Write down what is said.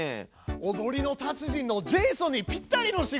踊りの達人のジェイソンにぴったりの仕事！